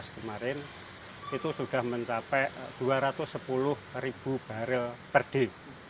dua ribu tujuh belas kemarin itu sudah mencapai dua ratus sepuluh ribu barel per day